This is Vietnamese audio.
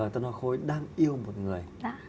tân hoa khôi đang yêu một người